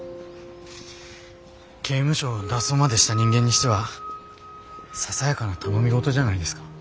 刑務所を脱走までした人間にしてはささやかな頼み事じゃないですか。